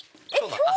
朝。